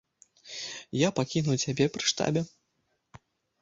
Я пакінуў цябе пры штабе.